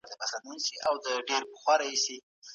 ایا بهرني سوداګر ممیز اخلي؟